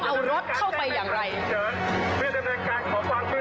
ของท่านได้เสด็จเข้ามาอยู่ในความทรงจำของคน๖๗๐ล้านคนค่ะทุกท่าน